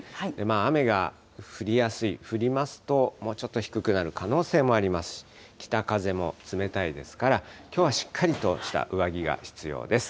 雨が降りやすい、降りますと、もうちょっと低くなる可能性もありますし、北風も冷たいですから、きょうはしっかりとした上着が必要です。